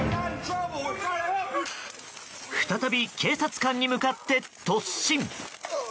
再び警察官に向かって突進。